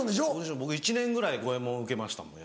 僕１年ぐらい五ェ門受けましたもんね